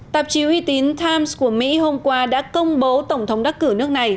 tạp chí uy tín times của mỹ hôm qua đã công bố tổng thống đắc cử nước này